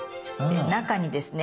中にですね